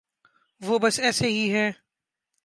وہ بس ایسے ہی ہیں۔